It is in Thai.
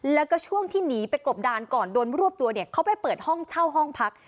แล้วก็ช่วงที่หนีไปกบดานก่อนโดนรวบตัวเนี่ยเขาไปเปิดห้องเช่าห้องพัก